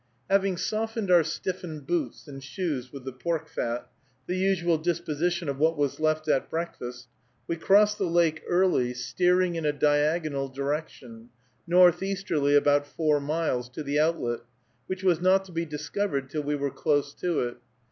Having softened our stiffened boots and shoes with the pork fat, the usual disposition of what was left at breakfast, we crossed the lake early, steering in a diagonal direction, northeasterly about four miles, to the outlet, which was not to be discovered till we were close to it.